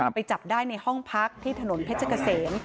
ไปจับได้ในห้องพักที่ถนนเพชรเกษม